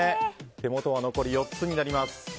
手元は残り４つになります。